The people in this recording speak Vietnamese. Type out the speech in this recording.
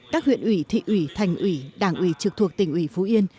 các huyện ủy thị ủy thành ủy đảng ủy trực thuộc tỉnh ủy phú yên